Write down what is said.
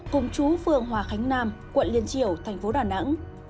cùng chú phường hòa khánh nam quận liên triều thành phố đà nẵng